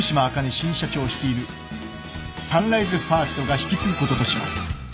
新社長率いるサンライズファーストが引き継ぐこととします。